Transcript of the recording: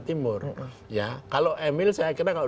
timur ya kalau emil saya kira kalau